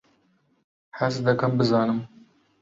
حەز دەکەم بزانم.